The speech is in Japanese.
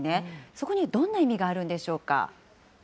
そこにはどんな意味があるんでしょうか。